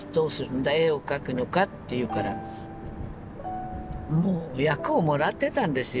絵を描くのか？」って言うからもう役をもらってたんですよ